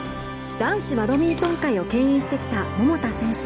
男子バドミントン界をけん引してきた桃田選手。